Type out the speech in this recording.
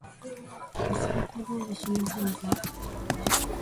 バスケットボールしませんか？